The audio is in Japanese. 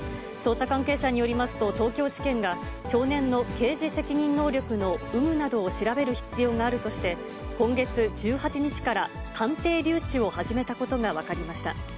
捜査関係者によりますと、東京地検が、少年の刑事責任能力の有無などを調べる必要があるとして、今月１８日から、鑑定留置を始めたことが分かりました。